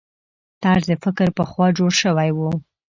طرز فکر پخوا جوړ شوي وو.